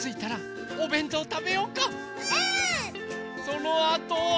そのあとは。